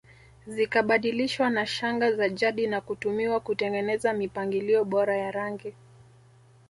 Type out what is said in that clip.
Zikabadilishwa na shanga za jadi na kutumiwa kutengeneza mipangilio bora ya rangi